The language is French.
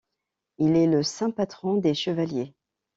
Il est le saint patron des chevaliers.